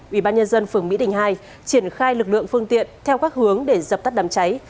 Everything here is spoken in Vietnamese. ubnd phường mỹ đình hai triển khai lực lượng phương tiện theo các hướng để dập tắt đám cháy